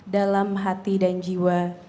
dalam hati dan jiwa